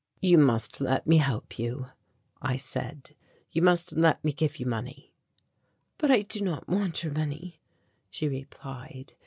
"You must let me help you," I said, "you must let me give you money." "But I do not want your money," she replied.